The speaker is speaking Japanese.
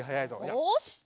よし！